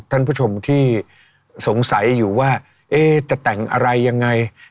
ท่านผู้ชมที่สงสัยอยู่ว่าจะแต่งอะไรยังไง